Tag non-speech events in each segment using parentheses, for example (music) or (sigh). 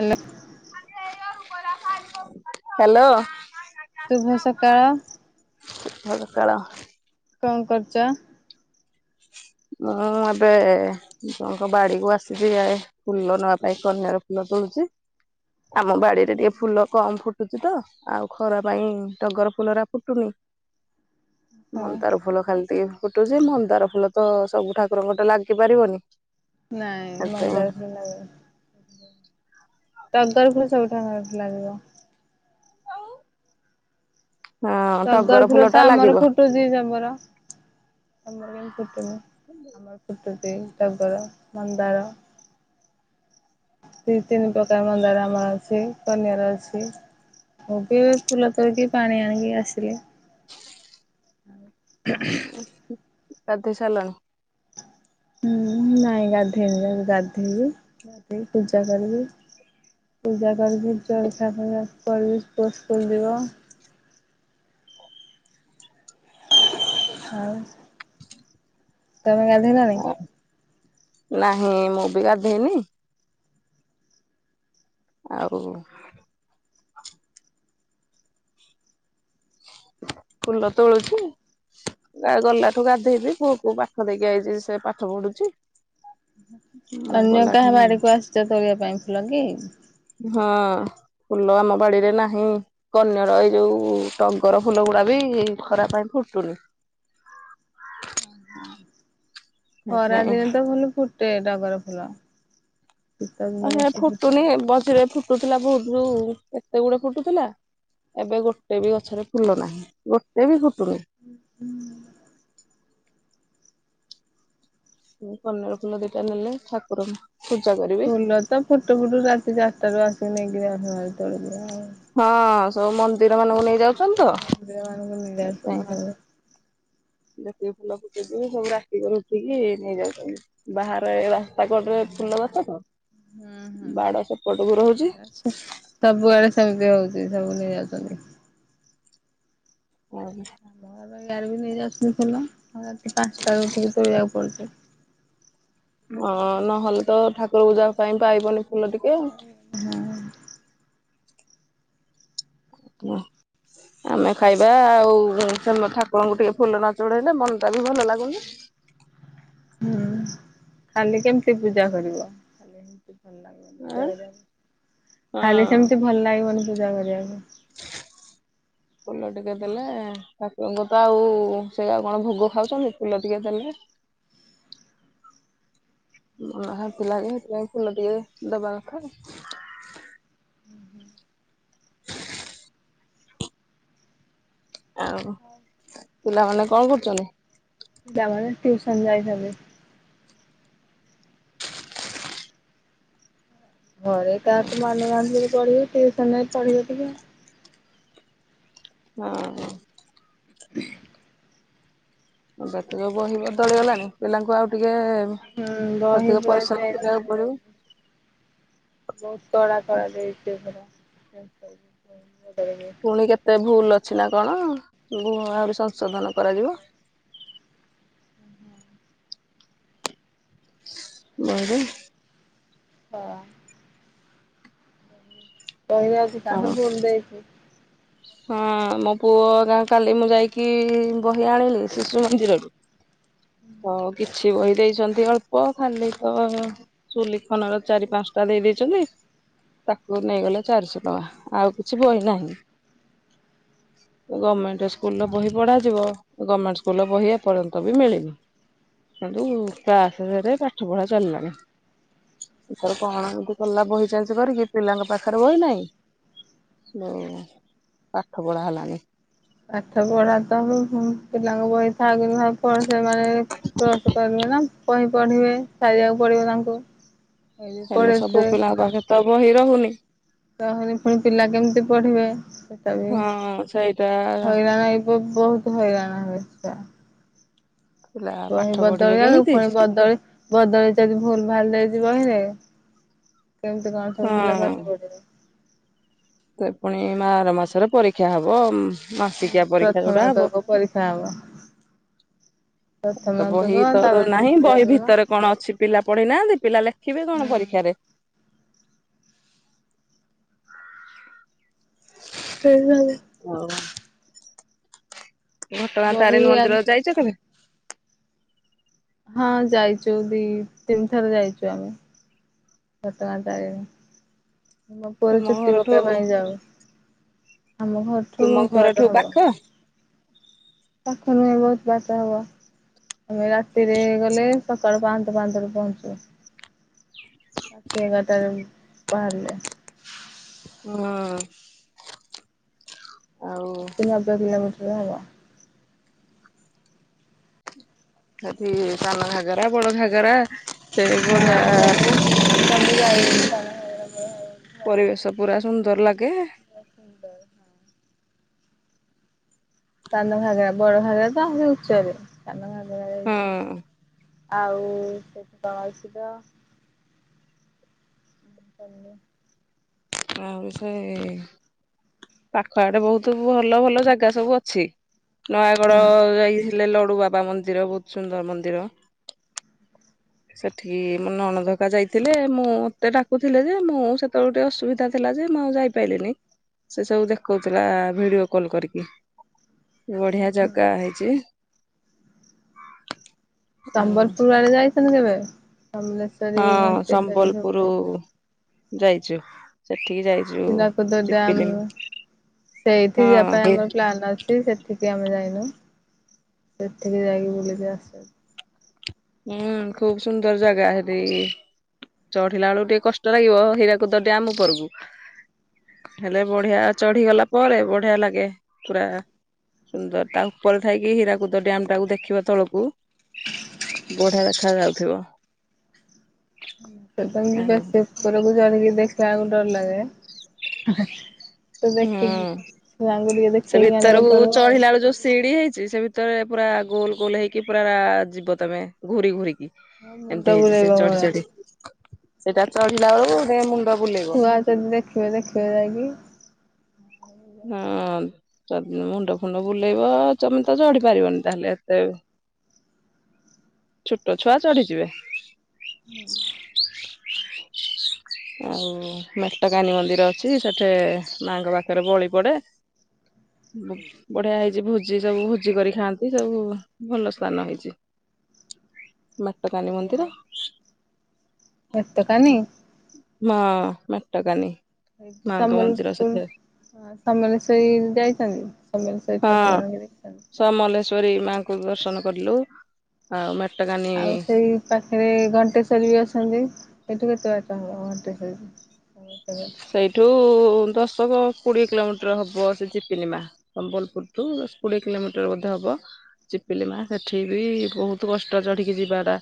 ହେଲା। ହ୍ୟାଲୋ। ଶୁଭ ସକାଳ। ଶୁଭ ସକାଳ। କଣ କରୁଚ? ମୁଁ ଏବେ ଜଣଙ୍କ ବାଡିକୁୁ ଆସିଚି ଯେ ଫୁଲ ନବା ପାଇଁ କନିୟାର ଫୁଲ ତୋଳୁଚି। ଆମ ବାଡିରେ ଟିକେ ଫୁଲ କମ୍ ଫୁଟୁଚି ତ ଆଉ ଖରା ପାଇଁ ଟଗର ଫୁଲରା ଫୁଟୁନି। ହଁ ମନ୍ଦାର ଫୁଲ ଖାଲି ଟିକେ ଫୁଟୁଛି ମନ୍ଦାର ଫୁଲ ତ ସବୁ ଠାକୁରଙ୍କଟେ ଲାଗିପାରିବନି। ନାଇଁ ମନ୍ଦାର ଫୁଲ ଟଗର ଫୁଲ ସବୁ ଠାକୁରଙ୍କ କତିରେ ଲାଗିବ। ଆଉ। ଟଗର ଫୁଲ ଟା ତ ଆମର ଲାଗିବ ଫୁଟୁଛି ଜବର। ତମର କେମିତି ଫୁଟୁନି ଆମର ଫୁଟୁଛି ଟଗର ମନ୍ଦାର। ଦି ତିନି ପ୍ରକାର ମନ୍ଦାର ଆମର ଅଛି କନିଅର ଅଛି। ମୁ ବି ଫୁଲ ତୋଳିକି ପାଣି ଆଣିକି ଆସିଲି। (unintelligible) ଗାଧେଇ ସାଇଲଣି? ହୁଁ, ନାଇଁ ଗାଧେଇନି ଯାଉଚି ଗାଧେଇବି ଗାଧେଇ ପୂଜା କରିବି। ପୂଜା କରିବି ଜଳଖିଆ ଫଳଖିଆ କରିବି ପୁଅ ସ୍କୁଲ ଯିବ। (inaudible) ହଉ। ତମେ ଗାଧେଇଲଣି? ନାହିଁ ମୁଁ ବି ଗାଧେଇନି। ଆଉ ଫୁଲ ତୋଳୁଚି। ଗଲାଠୁ ଗାଧେଇବି ପୁଅକୁ ପାଠ ଦେଇକି ଆଇଚି ସେ ପାଠ ପଢୁଛି। ମୁଁ ଗଲାଠୁ ପୂଜା କରିବା ପାଇଁ ଫୁଲ କିି? ହଁ ଫୁଲ ଆମ ବାଡିରେ ନାହିଁ। କନିଅର ଏଇ ଯୋଉ ଟଗର ଫୁଲ ଗୁଡା ବି ଖରା ପାଇଁ ଫୁଟୁନି। ଉଁ ହୁଁ, ସେଥିପାଇଁ ଖରାଦିନେ ତ ଭଲ ଫୁଟେ ଟଗର ଫୁଲ। ଶୀତ ଆ ଦିନେ ହେ ବେଶୀ ଫୁଟେ। ଫୁଟୁନି ମଜିରେ ଫୁଟୁଥିଲା ବହୁତ ଯଉ ଏତେ ଗୁଡେ ଫୁଟୁଥିଲା। ଏବେ ଗୋଟେ ବି ଗଛରେ ଫୁଲ ନାହିଁ ଗୋଟେ ବି ଫୁଟୁନି। ହୁଁ ହୁଁ। ଏଇ କନିଅର ଫୁଲ ଦିଟା ନେଲେ ଠାକୁର ପୂଜା କରିବି। ଫୁଲ ତ ଫୁଟୁ ଫୁଟୁ ରାତି ଚାରିଟାରୁ ଆସିକି ନେଇକି ଯାଉଛନ୍ତି ତୋଳିକି ଆଉ। ହଁ ସବୁ ମନ୍ଦିର ମାନଙ୍କୁ ନେଇ ଯାଉଛନ୍ତି ତ ମନ୍ଦିର ମାନଙ୍କୁ ନେଇ ଆସନ୍ତି ସେଥିପାଇଁ। ସବୁ। ଯେତିକି ଫୁଲ ଫୁଟୁଛି ସବୁ ରାତିିକରୁ ଉଠିକି ନେଇଯାଉଛନ୍ତି। ବାହାରେ ଏ ରାସ୍ତା କଡରେ ଫୁଲ ଗଛ ତ। ହୁଁ ହୁଁ। ବାଡ ସେପଟକୁ ରହୁଛି। ସବୁଆଡେ ସେମିତି ହଉଛି ସବୁ ନେଇଯାଉଛନ୍ତି। (unintelligible) ଇଆରେ ବି ନେଇ ଯାଉଛନ୍ତି ଫୁଲ ରାତି ପାଞ୍ଚଟାରୁ ଉଠିକି ତୋଳିବାକୁ ପଡୁଛି। ହଁ ନହେଲେ ତ ଠାକୁର ପୂଜା ପାଇଁ ପାଇବନି ଫୁଲ ଟିକେ। (unintelligible) ଆମେ ଖାଇବା ଆଉ ସେ ଠାକୁରଙ୍କୁ ଟିକେ ଫୁଲ ନ ଚଢ଼େଇଲେ ମନଟା ବି ଭଲ ଲାଗୁନି। ହୁଁ ଖାଲି କେମିତି ପୂଜା କରିବ? ଖାଲି ଏମିତି ଭଲ ଲାଗିବନି ଆଁ ପୂଜା କରିବାକୁ, ଖାଲି ହଁ। ସେମିତି ଭଲ ଲାଗିବନି ପୂଜା କରିବାକୁ। ଫୁଲ ଟିକେ ଦେଲେ ଠାକୁରଙ୍କୁ ତ ଆଉ ସେ ଆଉ କଣ ଭୋଗ ଖାଉଛନ୍ତି ଫୁଲ ଟିକେ ଦେଲେ। ମନ ଶାନ୍ତି ଲାଗେ ସେଥି ପାଇଁ ଫୁଲ ଟିକେ ଦବା କଥା। ଆଉ ପିଲାମାନେ କଁ କରୁଛନ୍ତି? ପିଲାମାନେ ଟ୍ୟୁସନ୍ ଯାଇଛନ୍ତି। ଘରେ କାହାକୁ ମାନୁ ନାହାନ୍ତି ଯେ ପଢିବେ ଟିଉସନରେ ପଢିବ ଟିକେ। ହଁ। ହ ଏବେ ତ ଯୋଉ ବହି ବଦଳି ଗଲାଣି ପିଲାଙ୍କୁ ଆଉ ଟିକେ। ହୁଁ ବହି ଅଧିକ ପୁରା ପରିଶ୍ରମ ଚେଞ୍ଜ କରିବାକୁ ପଡିବ। ହେଇଯାଇଛି। ବହୁତ କଡା ଖରା ଦେଇଛି ଏ ଥର ବା। (unintelligible) ପୁଣି କେତେ ଭୁଲ ଅଛି ନା କଣ ବ ଆହୁରି ସଂଶୋଧନ କରାଯିବ। ବହି ରେ। ହଁ। କହିବାକୁ ତାଙ୍କୁ ଆଉ ଭୁଲ ଦେଇଛି। ହଁ ମୋ ପୁଅ ଅକା କାଲି ମୁଁ ଯାଇକି ବହି ଆଣିଲି ଶିଶୁ ମନ୍ଦିରରୁ। ତ କିଛି ବହି ଦେଇଛନ୍ତି ଅଳ୍ପ ଖାଲି ତ। ସୁଲିଖନ ର ଚାରି ପାଞ୍ଚ ଟା ଦେଇ ଦେଇଛନ୍ତି। ତାକୁ ନେଇଗଲେ ଚାରିଶ ଟଙ୍କା ଆଉ କିଛି ବହି ନାହିଁ। ଏ ଗମେଣ୍ଟ ସ୍କୁଲ ର ବହି ପଢାଯିବ ଏ ଗମେଣ୍ଟ ସ୍କୁଲ ର ବହି ଏ ପର୍ଯ୍ୟନ୍ତ ବି ମିଳିନି। କିନ୍ତୁ କ୍ଲାସ ଧୀଏରେ ପାଠ ପଢା ଚାଲିଲାଣି। ଏଥର କଣ ଏମତି କଲା ବହି ଚେଞ ହବାରୁ ଏ ପିଲାଙ୍କ ପାଖରେ ବହି ନାହିଁ। ଯୋଉ। ପାଠ ପଢା ହେଲାଣି। ପାଠ ପଢା ତ ହବ ପିଲାଙ୍କ ବହି ଥାଉ କି ନଥାଉ। ତ ସେମାନେ କ୍ରୋସ୍ କରିବେ ନା କହି ପଢିବେ ସାରିବାକୁ ପଡିବ ତାଙ୍କୁ। ସେଥିଯୋଗୁଁ ହେଲେ ପଢେଇବେ ସବୁ ସେ ପିଲାଙ୍କ ପାଖେ ତ ବହି ରହୁନି। ରହୁନି ପୁଣି ପିଲା କେମିତି ପଢିବେ ସେଟା ବି ହଁ ସେଇଟା ହଇରାଣ ଏଇ। ଏବେ ବହୁତ ହଇରାଣ ହେବେ ଛୁଆ। ପିଲା ପୁଣି ପାଠ ପଢିବେ ବଦଳି ଯାଉଛି କେମିତି ପୁଣି ବଦଳି। ବଦଳେଇ ଚ ଯଦି ଭୁଲ ଭାଲ ଦେଇଛି ବହିରେ କେମତି କଣ ସବୁ ପିଲା ହଁ। ପାଠ ପଢିବେ। ତେ ପୁଣି ମା ଆର ମାସରେ ପରୀକ୍ଷା ହବ। ହୁଁ ମାସିକିଆ ପରୀକ୍ଷା ଯୋଉଟା ପ୍ରଥମ ହବ। ଭାଗ ପରୀକ୍ଷା ହବ। ତମେ ପ୍ରଥମ ତ ଏକକ ବହି ତ ତାପରେ ନାହିଁ ଦ୍ଵିତୀୟ ବହି ଏକକ। ଭିତରେ କଣ ଅଛି ପିଲା ପଢିନାହାନ୍ତି ପିଲା ଲେଖିବେ କଣ ହୁଁ। ପରୀକ୍ଷାରେ। ହୁଁ ହୁଁ। ଘଟଗାଁ ବହି ତାରିଣୀ ମନ୍ଦିର ଯାଇଛ କେବେ। ହଁ ଯାଇଛୁ ଦି ତିନି ଥର ଯାଇଛୁ ଆମେ। ଘଟଗାଁ ତାରିଣୀ। ଆମ ପୁଅର ତୁମ ଚୁଟି ଘରଠୁ ପକେଇବା ପାଇଁ ଯାଉ ଆମ ଘରୁ। ଠୁ ତୁମ ଏତେ ଘରଠୁ ବାଟ ହବ। ପାଖ ତାଙ୍କୁ ନୁହେଁ ବହୁତ ବାଟ ହବ ଆମେ ରାତିରେ ଗଲେ। ସକାଳେ ପହାନ୍ତା ପାହାନ୍ତା ରେ ପହଞ୍ଚୁ। ରାତି ଏଗାର ଟାରେ ବାହାରିଲେ। ହଁ। ଆଉ ଅଶୀ ନବେ କିଲୋମଟ ହବ। ସେଠି ସାନ ଘାଗରା ବଡ ଘାଗରା ସେ ବଢିଆ (unintelligible) ପରିବେଶ ପୁରା ସୁନ୍ଦର ଲାଗେ। ସାନ (unintelligible) ହଁ ଆଉ ସେଠି କଣ ଅଛି ତ? (inaudible) ଆଉ ସେ ପାଖ ଆଡେ ବହୁତ ଭଲ ଭଲ ଜାଗା ସବୁ ଅଛି। ନୟାଗଡ ଯାଇଥିଲେ ଲଡୁ ବାବା ମନ୍ଦିର ବହୁତ ସୁନ୍ଦର ମନ୍ଦିର। ସେଠିକି ମୋ ନଣ ଧକା ଯାଇଥିଲେ ମୁଁ ମତେ ଡାକୁଥିଲେ ଯେ ମୁଁ ସେତେବେଳେ ଗୋେ ଅସୁବିଧା ଥିଲା ଯେ ମୁଁ ଆଉ ଯାଇି ପାଇଲିନି ସେ ସବୁ ଦେଖଉଥିଲା ଭିଡିଓ କଲ କରିକି। ବଢିଆ ଜାଗା ହେଇଛି। ଆଉ। ସମ୍ବଲପୁର ଆଡେ ଯାଇଛନ୍ତି କେବେ ସମ୍ବଲେଶ୍ୟରି ହଁ ସମ୍ବଲପୁର ଯାଇଚି ସେଠିକି ଯାଇ ହିରାକୁଦ ଡ୍ୟାମ୍ ସେଇଠି ଯିବା ପାଇଁ ହଁ ଆମର ପ୍ଲାନ୍ ଅଛି। ଟି ସେଠିକି ଆମେ ଯାଇନୁ ସେଠିକି ଯାଇକି ବୁଲିକି ଆସ। ହୁଁ ଖୁବ ସୁନ୍ଦର ଜାଗା ହେରି। ଚଢିଲା ବେଳକୁ ଟିକେ କଷ୍ଟ ଲାଗିବ ହୀରାକୁଦ ଡ୍ୟାମ୍ ଉପରକୁ। ହେଲେ ବଢିଆ ଚଢିଗଲା ପରେ ବଢିଆ ଲାଗେ ପୁରା। ସୁନ୍ଦର ତା ଉପରେ ଥାଇକି ହୀରାକୁଦ ଡ୍ୟମ୍ ଟାକୁ ଦେଖିବ ତଳକୁ ବଢିଆ ଦେଖା ଯାଉଥିବ। ସେପାଇଁ ଆଉ ବେଶୀ ଉପରକୁ ଜଳିକି ଦେଖିବାକୁ ଡର ଲାଗେ। ତ ହୁଁ, ଦେଖିକି ଛୁଆଙ୍କୁ ଟିକେ ସେ ଦେଖେଇକି ଆଣିବାକୁ ଭିତରକୁ ପଡିବ ଆଉ ଚଢିଲା ବେଳେ ଯୋଉ ସିଡି ହେଇଛି ସେ ଭିତ ଭିତରେ ପୁରା ଗୋଲ ଗୋଲ ହେଇକି ପୁରା ଯିବ ତମେ ଘୁରି ଘୁରିକି। ହଁ ମୁଣ୍ଡ ଏମତି ହେଇଛି। ସେ ବୁଲେଇବ ଚଢି ମୋର ଚଢି ସେଟା ଚଢିଲା ବେଳକୁ ଯେ ମୁଣ୍ଡ ବୁଲେଇବ ଛୁଆ ଯଦି ଦେଖିବେ ଦେଖିବେ ଯାଇକି। ହଁ ଯଦି ମୁଣ୍ଡ ଫୁଣ୍ଡ ବୁଲେଇବ ତମେ ତ ଚଢି ପାରିବନି ତାହଲେ ଏତେ ଛୋଟ ଛୁଆ ଚଢିଯିବେ। ହୁଁ। ଆଉ ମେଟକାନୀ ମନ୍ଦିର ଅଛି ସେଠି ମାଙ୍କ ପାଖରେ ବଳି ପଡେ। ବଢିଆ ହେଇଛି ଭୋଜି ସବୁ ଭୋଜି କରି ଖାଆନ୍ତି ସବୁ ଭଲ ସ୍ଥାନ ହେଇଛି। ହ ମାତା ରାଣୀ ମନ୍ଦିର। ଏତ କାନି ହଁ ମଟା କାନି ଏ ମାଙ୍କ ମନ୍ଦିର ସମ୍ବଲପୁର ସେଠି ହଁ ସମଲେଶ୍ୱରୀ ଯାଇଛନ୍ତି? ସମଲେଶ୍ୱରୀ ଠାକୁର (unintelligible) ଦେଖିଛନ୍ତି? ସମଲେଶ୍ଵରୀ ମାଙ୍କୁ ଦର୍ଶନ କଲୁ। ଆଉ ମେଟ ଗାନି ଆଉ ସେଇ ପାଖରେ ଘଣ୍ଟେଶ୍ବରୀ ବି ଅଛନ୍ତି ସେଇଠୁ କେତେ ବାଟ ହବ ଘଣ୍ଟେଶ୍ଵରୀ କି? (inaudible) ସେଇଠୁ ଦଶକ କୋଡ଼ିଏ କିଲୋମିଟର ହବ ସେ ଚିପିନିମା। ସମ୍ବଲପୁର ଠୁ ଦଶ କୋଡିଏ କିଲୋମିଟର ବୋଧ ହବ। ପିପିଲି ମା ସେଠି ବି ବହୁତ କଷ୍ଟ ଚଢିକି ଯିବା ଟା।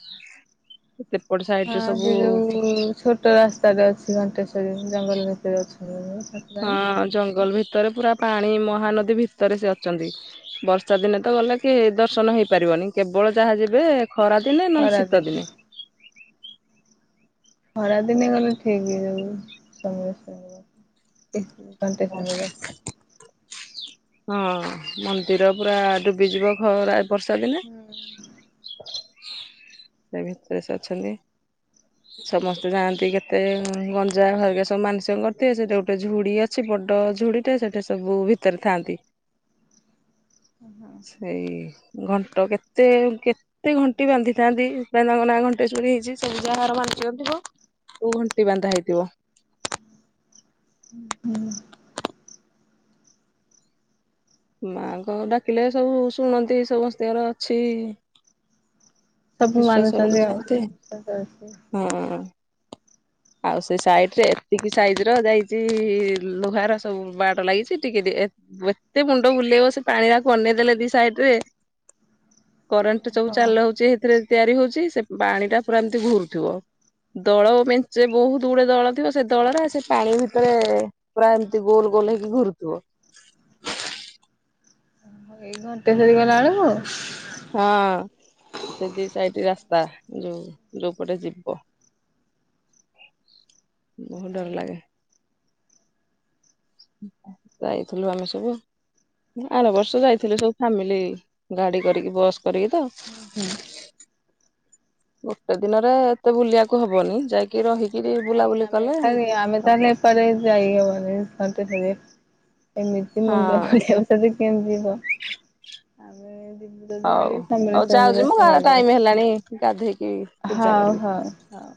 ହଁ ସେ ଯୋଉ ଛୋଟ ରାସ୍ତାଟେ ଅଛି ଘଣ୍ଟେଶ୍ଵରୀ ଜଙ୍ଗଲ ଭିତରେ ଅଛନ୍ତି। ଠାକୁରାଣୀ। ହଁ ଜଙ୍ଗଲ ଭିତରେ ପୁରା ପାଣି ମହାନଦୀ ଭିତରେ ସେ ଅଛନ୍ତି। ବର୍ଷା ଦିନେ ତ ଗଲେ କି ଦର୍ଶନ ହେଇ ପାରିବନି କେବଳ ଯାହା ଯିବେ ଖରା ଦିନେ ନ ହେଲେ ଶୀତ ଖରାଦିନେ ଦିନେ। ଖରା ଦିନେ ଗଲେ ଠିକ୍ ଏଇ ଯୋଉ ସମସ୍ତଙ୍କର (inaudible) ଓ ହଁ ମନ୍ଦିର ପୁରା ଡୁବି ଯିବ ଖରା ଏ ବର୍ଷା ଦିନେ। ହୁଁ। ସେଇ ଭିତରେ ସେ ଅଛନ୍ତି। ହ ସମସ୍ତେ ଯାଆନ୍ତି କେତେ ଗଞ୍ଜା ଘରିକା ସବୁ ମାନସିକ କରିଥିବେ ସେଇଠି ଗୋଟେ ଝୁଡି ଅ ଅଛି ବଡ଼ ଝୁଡିଟା ସେଇଟା ସବୁ ଭିତରେ ଥାଆନ୍ତି। ସେଇ ଘଣ୍ଟ କେତେ କେତେ ଘଣ୍ଟି ବାନ୍ଧିଥାନ୍ତି। ତାଙ୍କ ନାମ ନାଁ ଘଣ୍ଟେଶ୍ଵରୀ ହେଇଛି ସେ ଯାହାର ମାନସିକ ଥିବ ଉ ଘଣ୍ଟି ବାନ୍ଧା ହେଇଥିବ। ହୁଁ ହୁଁ। ମା ଙ୍କ ଡାକିଲେ ସବୁ ଶୁଣନ୍ତି ସମସ୍ତିଙ୍କର ଅଛି ସବୁ ବିଶ୍ଵାସ ମାନୁଛନ୍ତି ଭଳିଆ ଆଉ। ଗୋଟେ ବିଶ୍ୱାସ ହଁ ହଁ ହଁ। ହଁ (inaudible) ଆଉ ସେ ସାଇଟରେ ଏତିକି ସାଇଜ ର ଯାଇଛି ଲୁହାର ସବୁ ବାଡ ଲାଗିଛି ଟିକେ ଦେ ଏତେ ମୁଣ୍ଡ ବୁଲେଇବ ସେ ପାଣି ଆଡକୁ ଅନେଇ ଦେଲେ ଦି ସାଇଡରେ। କରେଣ୍ଟ ସବୁ ଚାଲ ହଉଛି ସେଥିରେ ତିଆରି ହଉଛି ସେ ପାଣି ଟା ପୁରା ଏମିତି ଘୁରୁଥିବ। ଦଳ ମେଞ୍ଚେ ବହୁତ ଗୁଡେ ଦଳ ଥିବ‌ ସେ ଦଳରେ ସେ ପାଣି ଭିତରେ ପୁରା ଏମିତି ଗୋଲ ଗୋଲ ହେଇକି ଘରୁଥିବ। ହଁ ଏଇ ଘଣ୍ଟେ ସରିଗଲେ ଆଣିବୁ? ହଁ ସେ ଦି ସାଇଟ୍ ରାସ୍ତା ଯୋଉ ଯୋଉ ପଟେ ଯିବ। ବହୁତ ଡର ଲାଗେ। ଯାଇଥିଲୁ ଆମେ ସବୁ। ଆର ବର୍ଷ ଯାଇଥିଲୁ ସବୁ ଫ୍ୟାମିଲି ଗାଡି କରିକି ବସ୍ କରିକି ତ। ହୁଁ ହୁଁ। ଗୋଟେ ଦିନରେ ଏତେ ବୁଲିବାକୁ ହବନି ଯାଇକି ରହି ନାଇଁ ଆମେ ଖାଲି ଆମେ ତାହେଲେ ପରେ ଯାଇ ହବନି ପାଞ୍ଚେଟାରେ ଏମିତି ମୁଣ୍ଡ ହଁ ଖାଲି ଆଉ ସେଠି କେମିତି ଯିବ ଆଉ ଏନ୍ତି ଯୋଉ ସେଇଠି ହଉ ଖାଲି ହଉ ଯାଉଛି ମୁଁ ଆ ଟାଇମ ହେଲାଣି ଗାଧେଇକି (inaudible) ପୂଜା ହଉ କରିବି। ହଉ ହଉ।